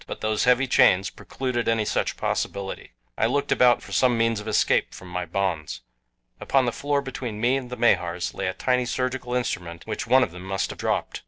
But those heavy chains precluded any such possibility. I looked about for some means of escape from my bonds. Upon the floor between me and the Mahars lay a tiny surgical instrument which one of them must have dropped.